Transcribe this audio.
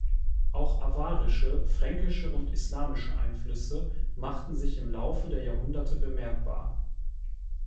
Auch awarische, fränkische und islamische Einflüsse machten sich im Laufe der Jahrhunderte bemerkbar.